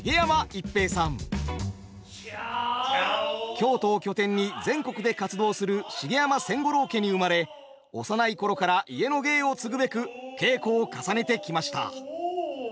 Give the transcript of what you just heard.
京都を拠点に全国で活動する茂山千五郎家に生まれ幼い頃から家の芸を継ぐべく稽古を重ねてきました。